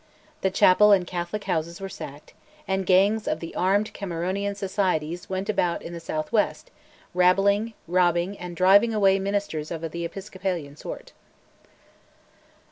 The chapel and Catholic houses were sacked, and gangs of the armed Cameronian societies went about in the south west, rabbling, robbing, and driving away ministers of the Episcopalian sort.